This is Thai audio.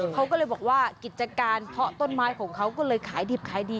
เขาก็เลยบอกว่ากิจการเพาะต้นไม้ของเขาก็เลยขายดิบขายดี